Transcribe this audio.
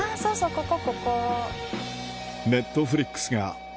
ここここ！